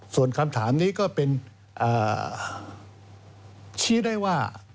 ส่วนคำถามนี้ก็เป็นชี้ได้ว่า